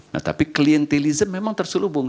nah tapi klientilism memang terselubung